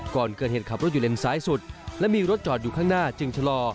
ก่อนเกิดเหตุขับรถอยู่เลนซ้ายสุดและมีรถจอดอยู่ข้างหน้าจึงชะลอ